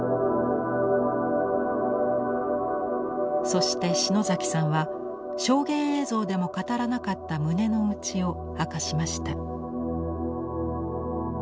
そして篠崎さんは証言映像でも語らなかった胸の内を明かしました。